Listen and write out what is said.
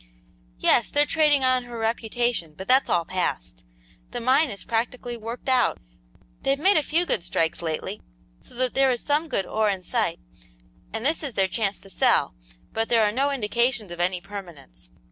"Yes, they're trading on her reputation, but that's all past. The mine is practically worked out. They've made a few good strikes lately, so that there is some good ore in sight, and this is their chance to sell, but there are no indications of any permanence.